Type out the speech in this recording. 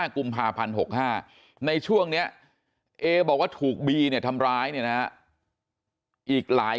กุมภาพันธ์๖๕ในช่วงนี้เอบอกว่าถูกบีเนี่ยทำร้ายเนี่ยนะอีกหลาย